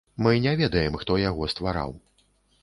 Мы не ведаем, хто яго ствараў.